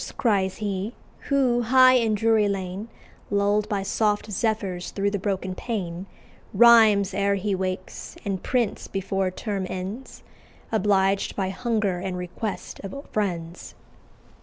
cries he, who, high in Drury Lane, Lull'd by soft zephyrs through the broken pane, Rhymes ere he wakes, and prints before Term ends, Obliged by hunger and request of friends."